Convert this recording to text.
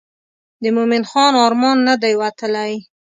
د مومن خان ارمان نه دی وتلی.